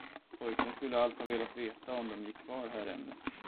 Pojken skulle allt ha velat veta om de gick kvar här ännu.